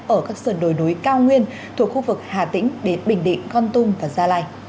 ở các sườn đồi núi cao nguyên thuộc khu vực hà tĩnh đến bình định con tum và gia lai